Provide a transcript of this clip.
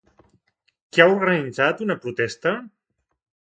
Qui ha organitzat una protesta?